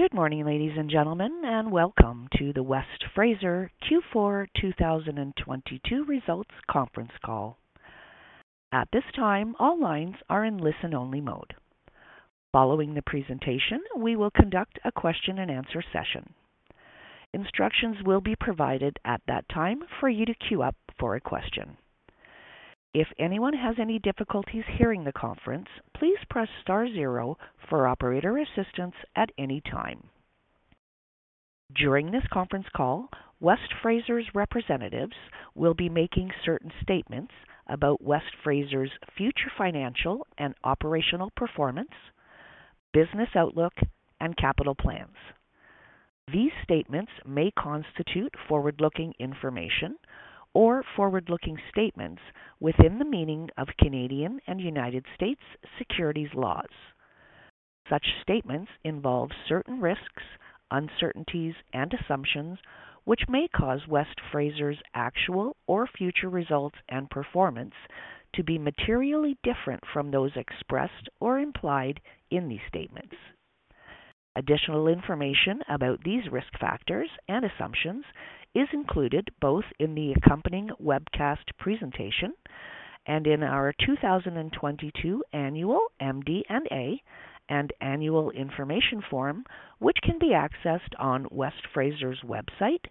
Good morning, ladies and gentlemen, and welcome to the West Fraser Q4 2022 Results Conference Call. At this time, all lines are in listen-only mode. Following the presentation, we will conduct a question-and-answer session. Instructions will be provided at that time for you to queue up for a question. If anyone has any difficulties hearing the conference, please press star zero for operator assistance at any time. During this conference call, West Fraser's representatives will be making certain statements about West Fraser's future financial and operational performance, business outlook, and capital plans. These statements may constitute forward-looking information or forward-looking statements within the meaning of Canadian and U.S. securities laws. Such statements involve certain risks, uncertainties, and assumptions which may cause West Fraser's actual or future results and performance to be materially different from those expressed or implied in these statements. Additional information about these risk factors and assumptions is included both in the accompanying webcast presentation and in our 2022 annual MD&A and annual information form, which can be accessed on West Fraser's website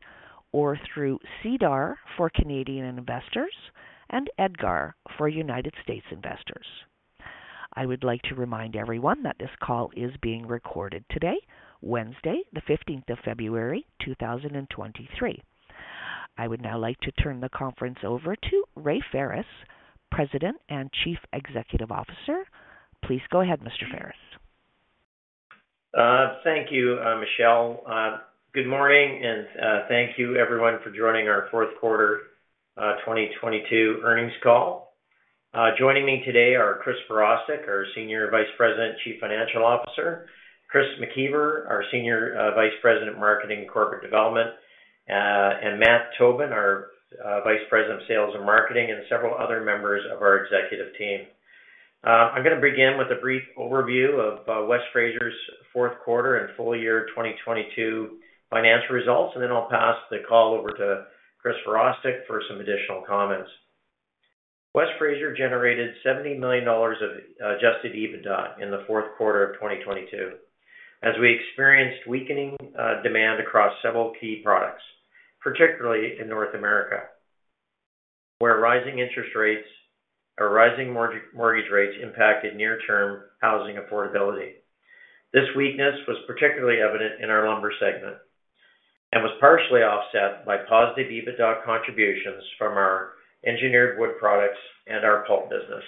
or through SEDAR for Canadian investors and EDGAR for U.S. investors. I would like to remind everyone that this call is being recorded today, Wednesday, the 15th of February, 2023. I would now like to turn the conference over to Ray Ferris, President and Chief Executive Officer. Please go ahead, Mr. Ferris. Thank you, Michelle. Good morning, thank you everyone for joining our fourth-quarter 2022 earnings call. Joining me today are Chris Virostek, our Senior Vice President, Chief Financial Officer, Chris McIver, our Senior Vice President, Marketing and Corporate Development, and Matt Tobin, our Vice President of Sales and Marketing, and several other members of our executive team. I'm going to begin with a brief overview of West Fraser's fourth quarter and full year 2022 financial results, and then I'll pass the call over to Chris Virostek for some additional comments. West Fraser generated $70 million of adjusted EBITDA in the fourth quarter of 2022 as we experienced weakening demand across several key products, particularly in North America, where rising interest rates or rising mortgage rates impacted near-term housing affordability. This weakness was particularly evident in our lumber segment and was partially offset by positive EBITDA contributions from our engineered wood products and our pulp business.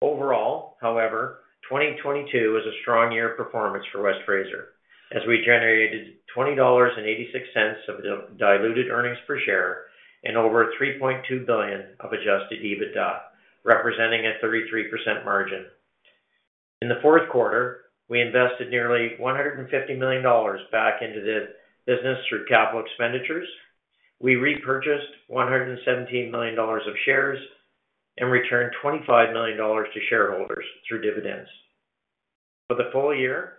Overall, however, 2022 was a strong year of performance for West Fraser as we generated $20.86 of diluted earnings per share and over $3.2 billion of adjusted EBITDA, representing a 3% margin. In the fourth quarter, we invested nearly $150 million back into the business through capital expenditures. We repurchased $117 million of shares and returned $25 million to shareholders through dividends. For the full year,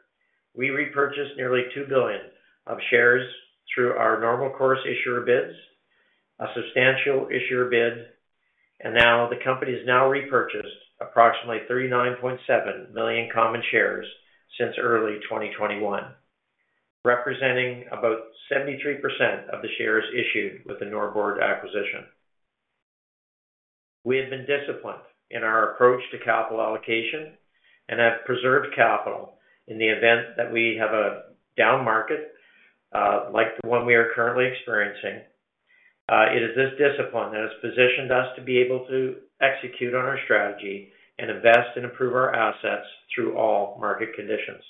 we repurchased nearly $2 billion of shares through our normal course issuer bids, a substantial issuer bid, and now the company has now repurchased approximately 39.7 million common shares since early 2021, representing about 73% of the shares issued with the Norbord acquisition. We have been disciplined in our approach to capital allocation and have preserved capital in the event that we have a down market, like the one we are currently experiencing. It is this discipline that has positioned us to be able to execute on our strategy and invest and improve our assets through all market conditions.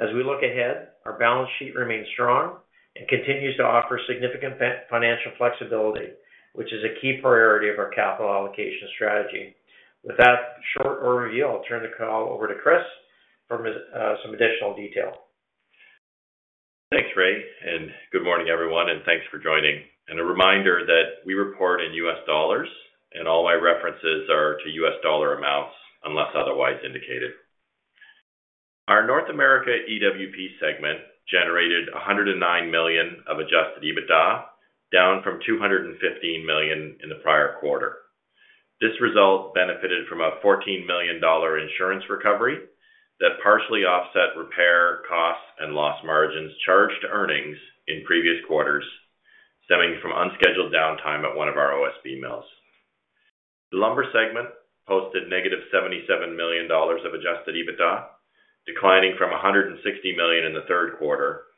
As we look ahead, our balance sheet remains strong and continues to offer significant financial flexibility, which is a key priority of our capital allocation strategy. With that short overview, I'll turn the call over to Chris for some additional detail. Thanks, Ray, good morning, everyone, and thanks for joining. A reminder that we report in US dollars and all my references are to US dollar amounts unless otherwise indicated. Our North America EWP segment generated $109 million of Adjusted EBITDA, down from $215 million in the prior quarter. This result benefited from a $14 million insurance recovery that partially offset repair costs and loss margins charged to earnings in previous quarters, stemming from unscheduled downtime at one of our OSB mills. The lumber segment posted negative $77 million of Adjusted EBITDA, declining from $160 million in the third quarter,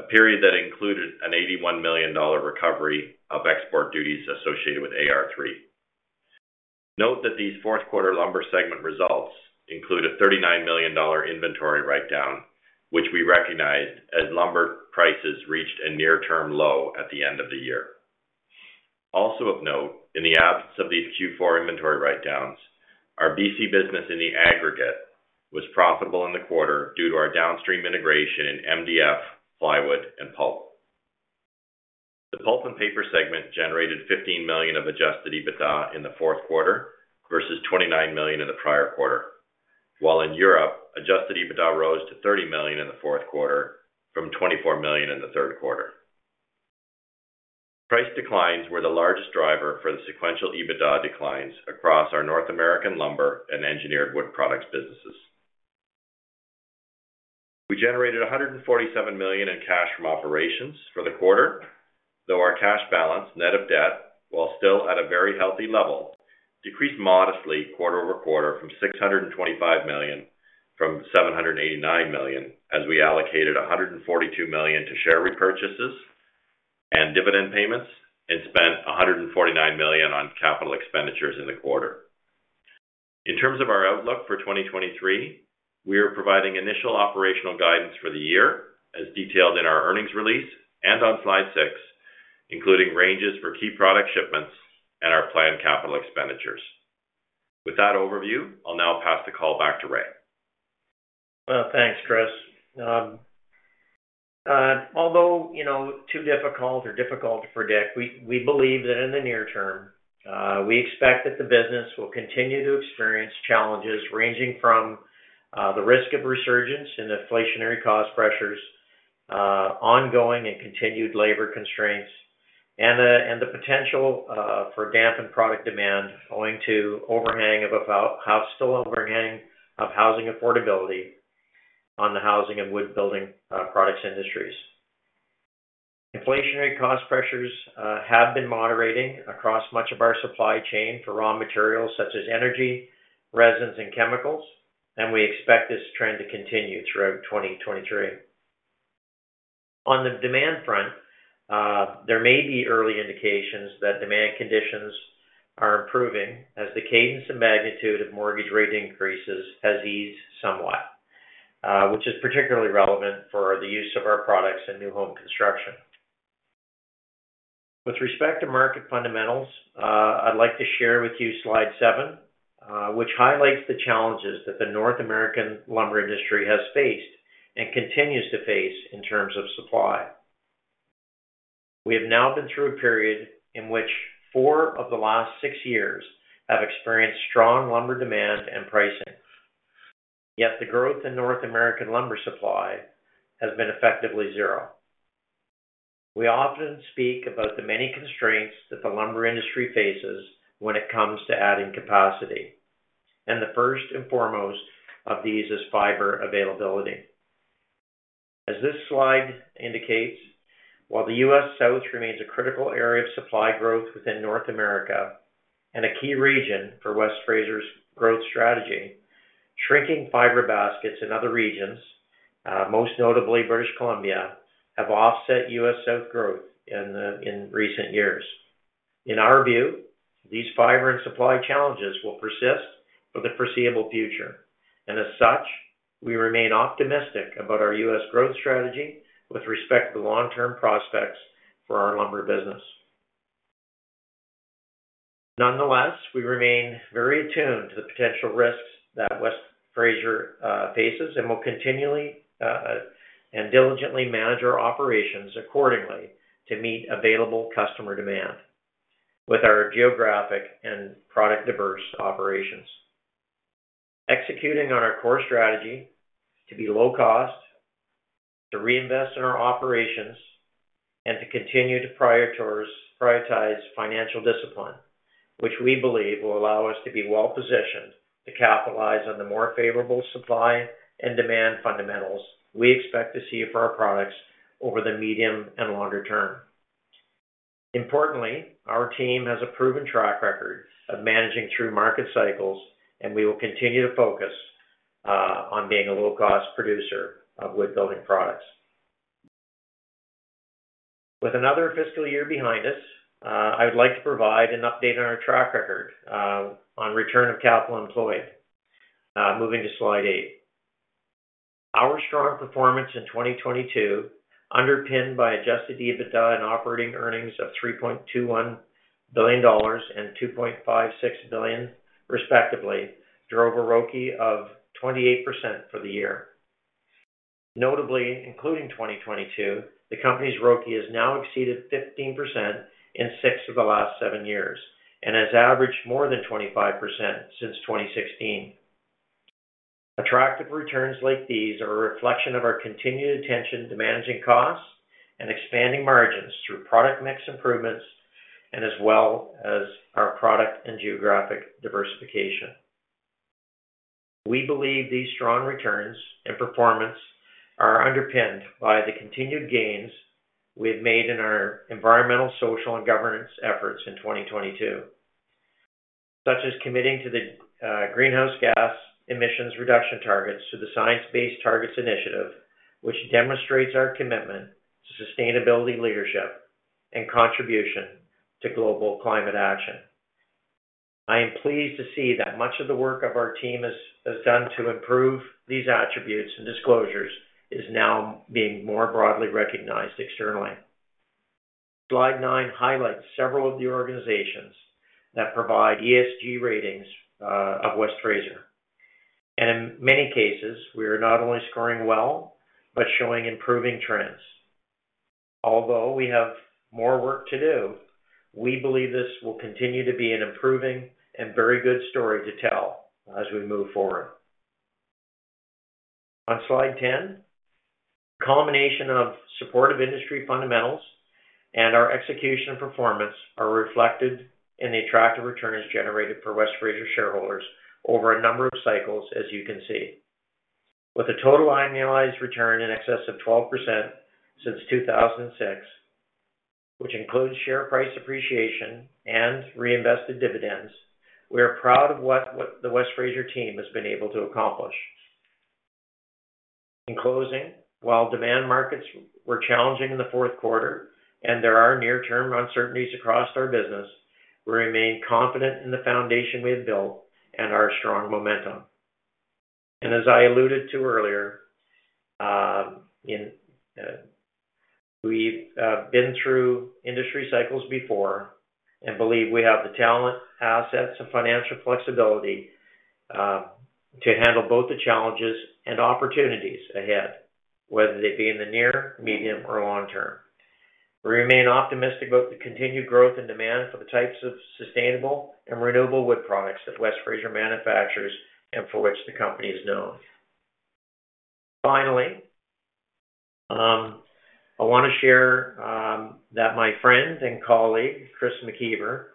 a period that included an $81 million recovery of export duties associated with AR3. Note that these fourth quarter lumber segment results include a $39 million inventory write-down, which we recognized as lumber prices reached a near-term low at the end of the year. Also of note, in the absence of these Q four inventory write-downs, our BC business in the aggregate was profitable in the quarter due to our downstream integration in MDF, plywood, and pulp. The pulp and paper segment generated $15 million of adjusted EBITDA in the fourth quarter versus $29 million in the prior quarter. In Europe, adjusted EBITDA rose to $30 million in the fourth quarter from $24 million in the third quarter. Price declines were the largest driver for the sequential EBITDA declines across our North American lumber and engineered wood products businesses. We generated $147 million in cash from operations for the quarter, though our cash balance, net of debt, while still at a very healthy level, decreased modestly quarter-over-quarter from $625 million from $789 million as we allocated $142 million to share repurchases and dividend payments and spent $149 million on capital expenditures in the quarter. In terms of our outlook for 2023, we are providing initial operational guidance for the year as detailed in our earnings release and on slide 6, including ranges for key product shipments and our planned capital expenditures. With that overview, I'll now pass the call back to Ray. Well, thanks, Chris. Although, you know, too difficult or difficult to predict, we believe that in the near term, we expect that the business will continue to experience challenges ranging from the risk of resurgence and inflationary cost pressures, ongoing and continued labor constraints and the potential for dampened product demand owing to overhanging of housing affordability on the housing and wood-building products industries. Inflationary cost pressures have been moderating across much of our supply chain for raw materials such as energy, resins, and chemicals, and we expect this trend to continue throughout 2023. On the demand front, there may be early indications that demand conditions are improving as the cadence and magnitude of mortgage rate increases has eased somewhat, which is particularly relevant for the use of our products in new home construction. With respect to market fundamentals, I'd like to share with you slide seven, which highlights the challenges that the North American lumber industry has faced and continues to face in terms of supply. We have now been through a period in which four of the last six years have experienced strong lumber demand and pricing. The growth in North American lumber supply has been effectively zero. We often speak about the many constraints that the lumber industry faces when it comes to adding capacity, and the first and foremost of these is fiber availability. As this slide indicates, while the U.S. South remains a critical area of supply growth within North America and a key region for West Fraser's growth strategy, shrinking fiber baskets in other regions, most notably British Columbia, have offset U.S. South growth in recent years. In our view, these fiber and supply challenges will persist for the foreseeable future. As such, we remain optimistic about our U.S. growth strategy with respect to long-term prospects for our lumber business. Nonetheless, we remain very attuned to the potential risks that West Fraser faces and will continually and diligently manage our operations accordingly to meet available customer demand with our geographic and product diverse operations. Executing on our core strategy to be low cost, to reinvest in our operations, and to continue to prioritize financial discipline, which we believe will allow us to be well-positioned to capitalize on the more favorable supply and demand fundamentals we expect to see for our products over the medium and longer term. Importantly, our team has a proven track record of managing through market cycles, and we will continue to focus on being a low-cost producer of wood-building products. With another fiscal year behind us, I would like to provide an update on our track record on return of capital employed, moving to slide 8. Our strong performance in 2022, underpinned by adjusted EBITDA and operating earnings of $3.21 billion and $2.56 billion respectively, drove a ROCE of 28% for the year. Notably, including 2022, the company's ROCE has now exceeded 15% in 6 of the last seven years and has averaged more than 25% since 2016. Attractive returns like these are a reflection of our continued attention to managing costs and expanding margins through product mix improvements and as well as our product and geographic diversification. We believe these strong returns and performance are underpinned by the continued gains we have made in our environmental, social, and governance efforts in 2022, such as committing to the greenhouse gas emissions reduction targets to the Science Based Targets initiative, which demonstrates our commitment to sustainability leadership and contribution to global climate action. I am pleased to see that much of the work of our team has done to improve these attributes and disclosures is now being more broadly recognized externally. Slide 9 highlights several of the organizations that provide ESG ratings of West Fraser. In many cases, we are not only scoring well, but showing improving trends. Although we have more work to do, we believe this will continue to be an improving and very good story to tell as we move forward. On slide 10, the culmination of supportive industry fundamentals and our execution performance are reflected in the attractive returns generated for West Fraser shareholders over a number of cycles, as you can see. With a total annualized return in excess of 12% since 2006, which includes share price appreciation and reinvested dividends, we are proud of what the West Fraser team has been able to accomplish. In closing, while demand markets were challenging in the fourth quarter and there are near-term uncertainties across our business, we remain confident in the foundation we have built and our strong momentum. As I alluded to earlier, we've been through industry cycles before and believe we have the talent, assets, and financial flexibility to handle both the challenges and opportunities ahead, whether they be in the near, medium, or long term. We remain optimistic about the continued growth and demand for the types of sustainable and renewable wood products that West Fraser manufactures and for which the company is known. Finally, I wanna share that my friend and colleague, Chris McIver,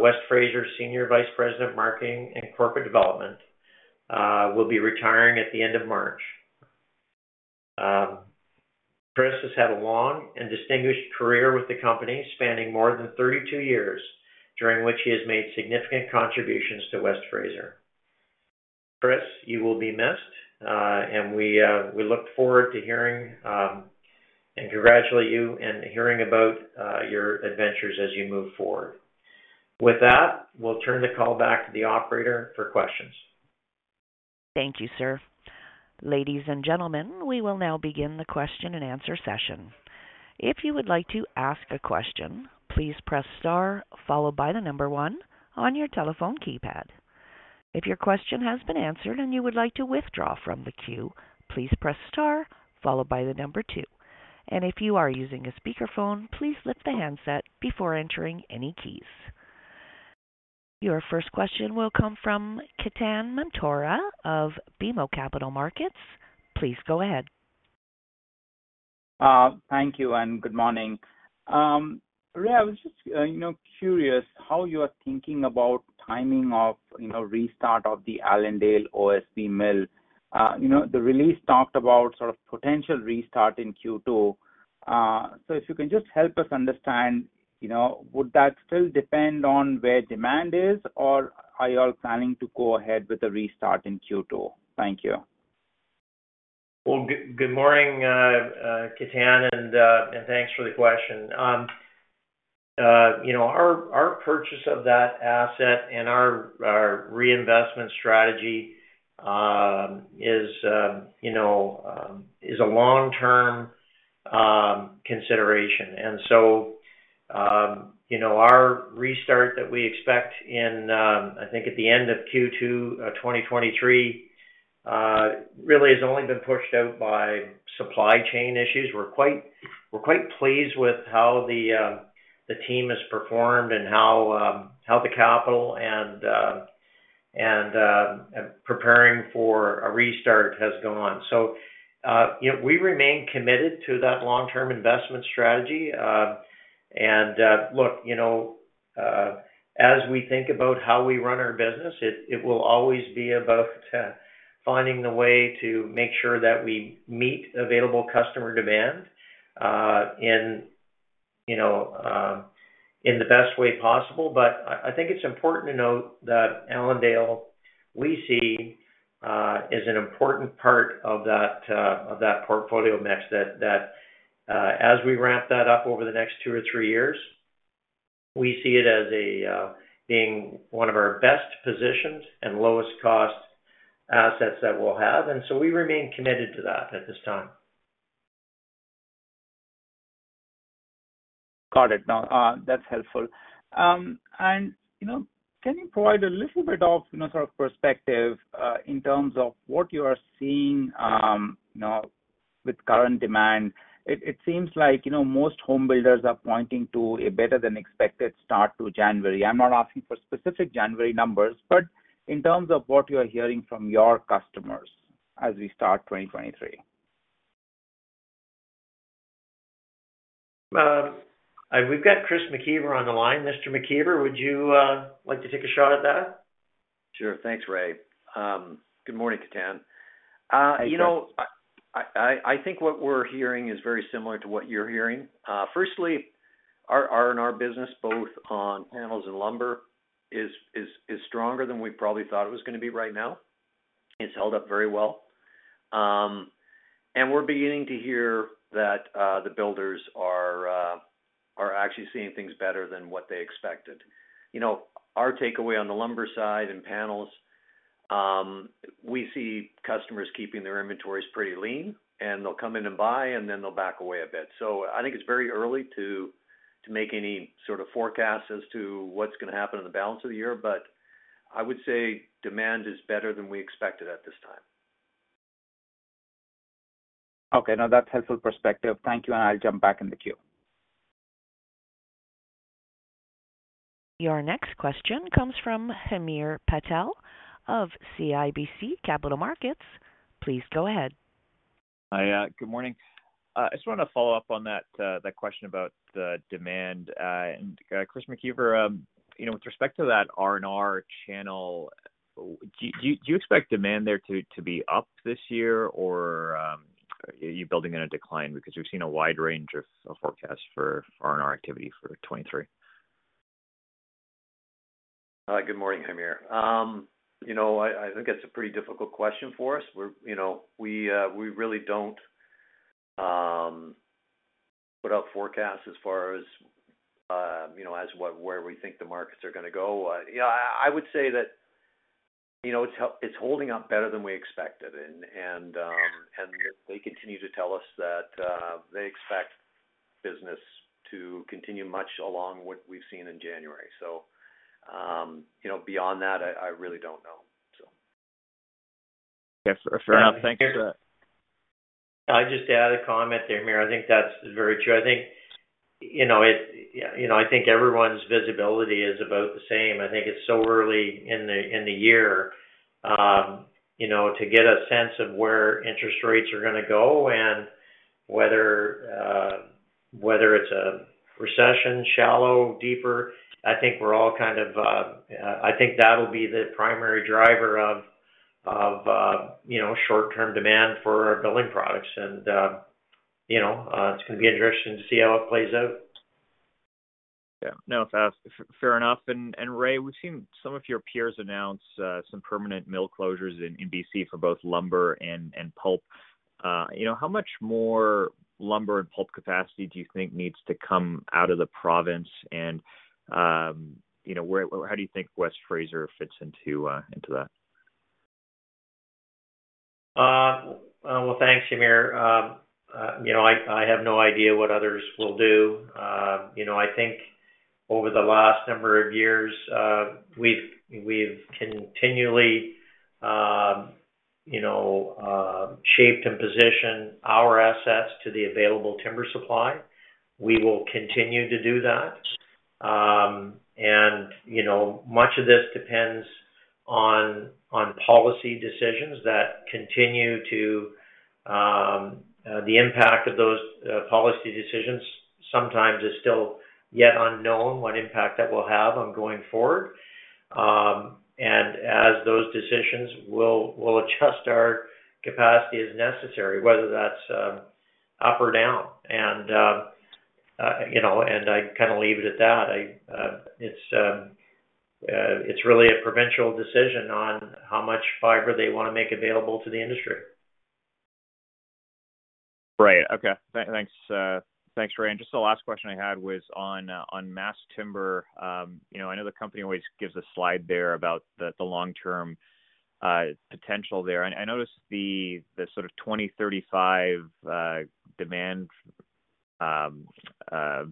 West Fraser Senior Vice President of Marketing and Corporate Development, will be retiring at the end of March. Chris has had a long and distinguished career with the company spanning more than 32 years, during which he has made significant contributions to West Fraser. Chris, you will be missed, and we look forward to hearing, and congratulate you and hearing about your adventures as you move forward. With that, we'll turn the call back to the operator for questions. Thank you, sir. Ladies and gentlemen, we will now begin the question-and-answer session. If you would like to ask a question, please press star followed by the number one on your telephone keypad. If your question has been answered and you would like to withdraw from the queue, please press star followed by the number two. If you are using a speakerphone, please lift the handset before entering any keys. Your first question will come from Ketan Mamtora of BMO Capital Markets. Please go ahead. Thank you, and good morning. Ray, I was just, you know, curious how you are thinking about timing of, you know, restart of the Allendale OSB mill. You know, the release talked about sort of potential restart in Q2. If you can just help us understand, you know, would that still depend on where demand is, or are you all planning to go ahead with the restart in Q2? Thank you. Well, good morning, Ketan, and thanks for the question. You know, our purchase of that asset and our reinvestment strategy is, you know, is a long-term consideration. You know, our restart that we expect in I think at the end of Q2 2023 really has only been pushed out by supply chain issues. We're quite pleased with how the team has performed and how the capital and preparing for a restart has gone. You know, we remain committed to that long-term investment strategy. Look, you know, as we think about how we run our business, it will always be about finding the way to make sure that we meet available customer demand, in, you know, in the best way possible. I think it's important to note that Allendale, we see as an important part of that of that portfolio mix that, as we ramp that up over the next two or three years, we see it as a being one of our best positions and lowest cost assets that we'll have, we remain committed to that at this time. Got it. No, that's helpful. You know, can you provide a little bit of, you know, sort of perspective, in terms of what you are seeing, you know, with current demand? It seems like, you know, most home builders are pointing to a better than expected start to January. I'm not asking for specific January numbers, but in terms of what you are hearing from your customers as we start 2023. We've got Chris McIver on the line. Mr. McIver, would you like to take a shot at that? Sure. Thanks, Ray. Good morning, Ketan. You know, I think what we're hearing is very similar to what you're hearing. Firstly, our R&R business, both on panels and lumber is stronger than we probably thought it was gonna be right now. It's held up very well. And we're beginning to hear that the builders are actually seeing things better than what they expected. You know, our takeaway on the lumber side and panels, we see customers keeping their inventories pretty lean, and they'll come in and buy, and then they'll back away a bit. I think it's very early to make any sort of forecast as to what's gonna happen in the balance of the year, but I would say demand is better than we expected at this time. Okay. No, that's helpful perspective. Thank you, and I'll jump back in the queue. Your next question comes from Hamir Patel of CIBC Capital Markets. Please go ahead. Hi, good morning. I just wanted to follow up on that question about the demand, and Chris McIver, you know, with respect to that R&R channel, do you expect demand there to be up this year or are you building in a decline? Because we've seen a wide range of forecasts for R&R activity for 2023. Good morning, Hamir. You know, I think it's a pretty difficult question for us. We're, you know, we really don't put out forecasts as far as, you know, where we think the markets are gonna go. Yeah, I would say that, you know, it's holding up better than we expected. They continue to tell us that they expect business to continue much along what we've seen in January. You know, beyond that, I really don't know. Yes. Fair enough. Thank you. I'd just add a comment there, Hamir. I think that's very true. I think, you know, I think everyone's visibility is about the same. I think it's so early in the, in the year, you know, to get a sense of where interest rates are gonna go and whether it's a recession, shallow, deeper. I think we're all kind of. I think that'll be the primary driver of, you know, short-term demand for our building products. You know, it's gonna be interesting to see how it plays out. Yeah. No, fair enough. Ray, we've seen some of your peers announce some permanent mill closures in BC for both lumber and pulp. You know, how much more lumber and pulp capacity do you think needs to come out of the province? You know, how do you think West Fraser fits into that? Well, thanks, Hamir. You know, I have no idea what others will do. You know, I think over the last number of years, we've continually, you know, shaped and positioned our assets to the available timber supply. We will continue to do that. And, you know, much of this depends on policy decisions that continue to. The impact of those policy decisions sometimes is still yet unknown what impact that will have on going forward. And as those decisions, we'll adjust our capacity as necessary, whether that's up or down. You know, and I kind of leave it at that. It's really a provincial decision on how much fiber they wanna make available to the industry. Right. Okay. Thanks. Thanks, Ray. Just the last question I had was on mass timber. You know, I know the company always gives a slide there about the long-term potential there. I noticed the sort of 2035 demand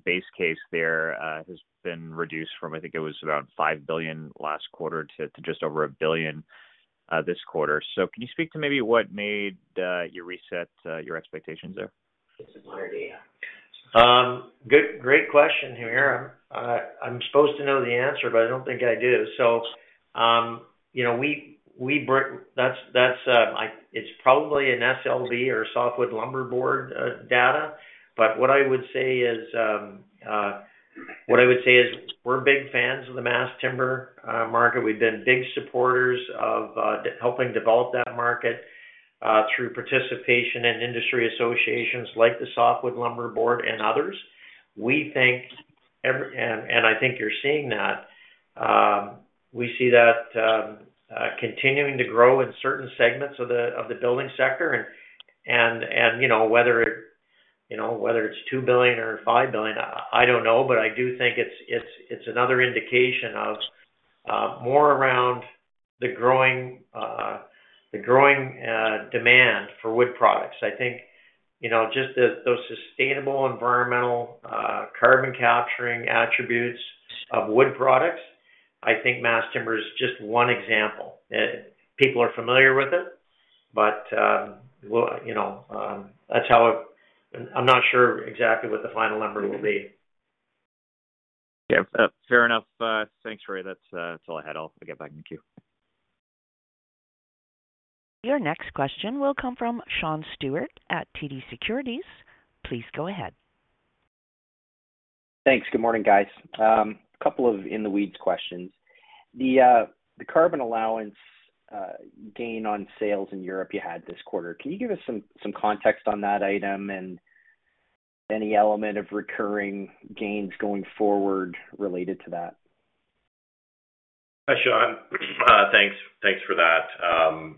base case there has been reduced from, I think it was about $5 billion last quarter to just over $1 billion this quarter. Can you speak to maybe what made you reset your expectations there? Great question, Hamir. I'm supposed to know the answer, but I don't think I do. you know, we bring... It's probably an SLB or Softwood Lumber Board data. what I would say is we're big fans of the mass timber market. We've been big supporters of helping develop that market through participation in industry associations like the Softwood Lumber Board and others. We think I think you're seeing that. We see that continuing to grow in certain segments of the building sector, you know, whether it's $2 billion or $5 billion, I don't know. I do think it's another indication of more around the growing demand for wood products. I think, you know, just those sustainable environmental, carbon capturing attributes of wood products, I think mass timber is just one example. People are familiar with it, but, well, you know, that's how it... I'm not sure exactly what the final number will be. Fair enough. Thanks, Ray. That's, that's all I had. I'll get back in the queue. Your next question will come from Sean Steuart at TD Securities. Please go ahead. Thanks. Good morning, guys. A couple of in the weeds questions. The carbon allowance gain on sales in Europe you had this quarter, can you give us some context on that item and any element of recurring gains going forward related to that? Hi, Sean. Thanks. Thanks for that.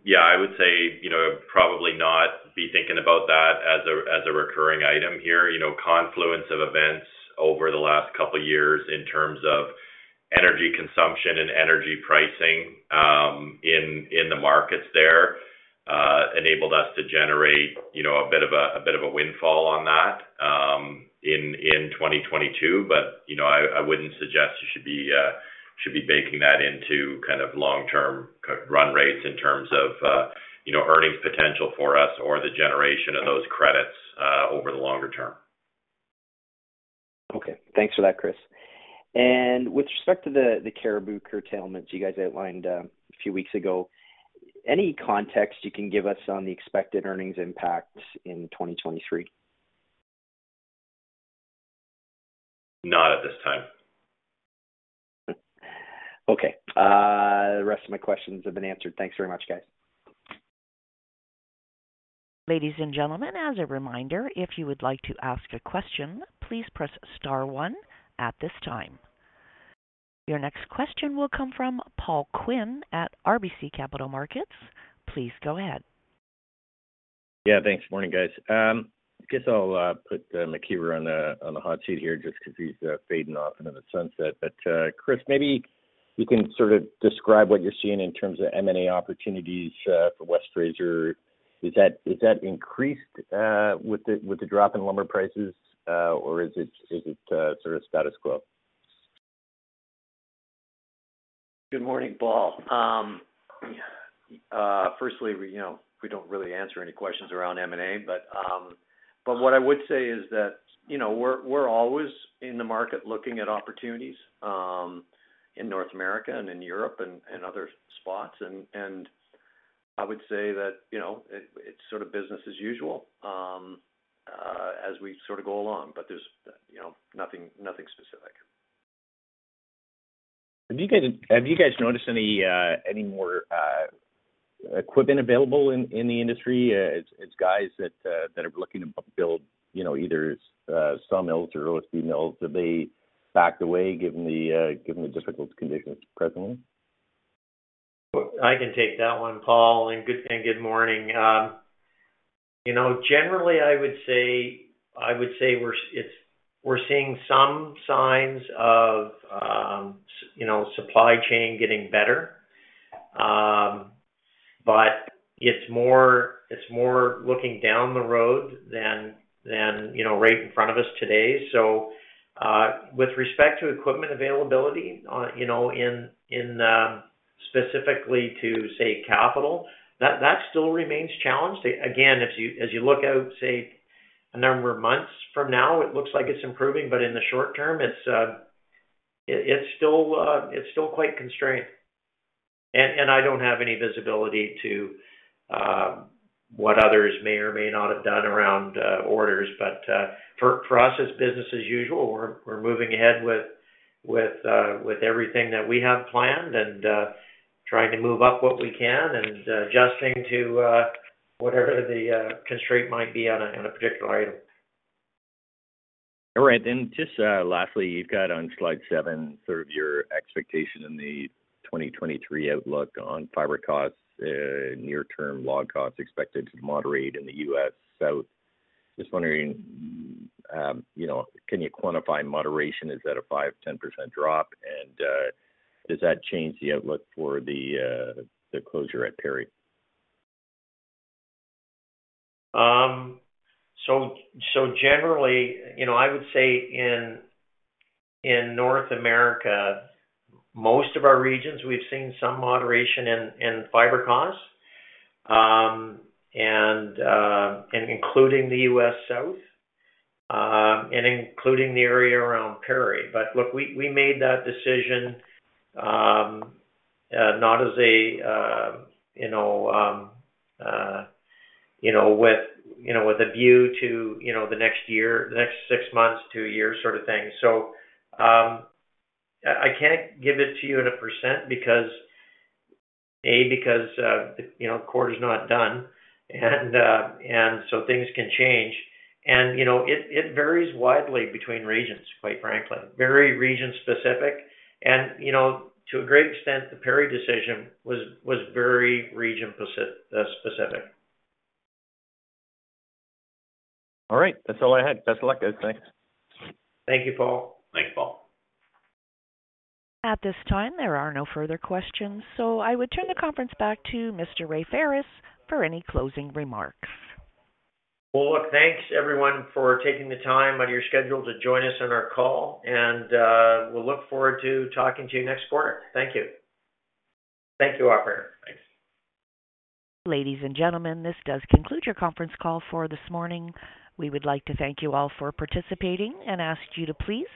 Yeah, I would say, you know, probably not be thinking about that as a recurring item here. You know, confluence of events over the last couple years in terms of energy consumption and energy pricing in the markets there enabled us to generate, you know, a bit of a windfall on that in 2022. You know, I wouldn't suggest you should be baking that into kind of long-term run rates in terms of, you know, earnings potential for us or the generation of those credits over the longer term. Okay. Thanks for that, Chris. With respect to the Cariboo curtailment you guys outlined, a few weeks ago, any context you can give us on the expected earnings impacts in 2023? Not at this time. The rest of my questions have been answered. Thanks very much, guys. Ladies and gentlemen, as a reminder, if you would like to ask a question, please press star one at this time. Your next question will come from Paul Quinn at RBC Capital Markets. Please go ahead. Thanks. Morning, guys. I guess I'll put McIver on the hot seat here just 'cause he's fading off into the sunset. Chris, maybe you can sort of describe what you're seeing in terms of M&A opportunities for West Fraser. Is that increased with the drop in lumber prices, or is it sort of status quo? Good morning, Paul. firstly, you know, we don't really answer any questions around M&A. What I would say is that, you know, we're always in the market looking at opportunities, in North America and in Europe and other spots. I would say that, you know, it's sort of business as usual, as we sort of go along, but there's, you know, nothing specific. Have you guys noticed any more equipment available in the industry as guys that are looking to build, you know, either sawmills or OSB mills? Have they backed away given the difficult conditions presently? I can take that one, Paul, good morning. You know, generally, I would say we're seeing some signs of, you know, supply chain getting better. It's more looking down the road than, you know, right in front of us today. With respect to equipment availability, you know, in specifically to, say, capital, that still remains challenged. Again, as you look out, say, a number of months from now, it looks like it's improving, but in the short term, it's still quite constrained. I don't have any visibility to what others may or may not have done around orders. For us, it's business as usual. We're moving ahead with everything that we have planned and trying to move up what we can and adjusting to whatever the constraint might be on a particular item. All right. Just, lastly, you've got on slide seven sort of your expectation in the 2023 outlook on fiber costs, near-term log costs expected to moderate in the U.S. South. Just wondering, you know, can you quantify moderation? Is that a 5%-10% drop? Does that change the outlook for the closure at Perry? Generally, you know, I would say in North America, most of our regions, we've seen some moderation in fiber costs, and including the U.S. South, and including the area around Perry. Look, we made that decision, not as a, you know, with a view to, you know, the next year, the next six months to a year sort of thing. I can't give it to you in a % because, A, because, you know, quarter's not done and so things can change. It varies widely between regions, quite frankly. Very region-specific. To a great extent, the Perry decision was very region-specific. All right. That's all I had. Best of luck, guys. Thanks. Thank you, Paul. Thanks, Paul. At this time, there are no further questions, so I would turn the conference back to Mr. Ray Ferris for any closing remarks. Well, look, thanks everyone for taking the time out of your schedule to join us on our call, and we'll look forward to talking to you next quarter. Thank you. Thank you, operator. Thanks. Ladies and gentlemen, this does conclude your conference call for this morning. We would like to thank you all for participating and ask you to please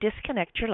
disconnect your lines.